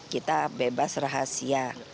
kita bebas rahasia